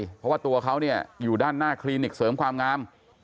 เพราะว่าตัวเขาเนี่ยอยู่ด้านหน้าคลินิกเสริมความงาม